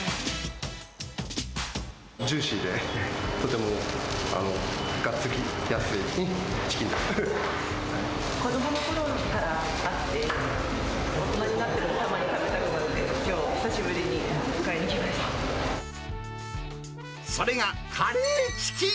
ジューシーで、子どものころからあって、大人になってもたまに食べたくなるので、きょう、久しぶりに買いそれが、カレーチキン。